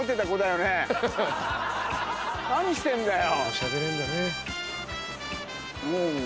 何してんだよ？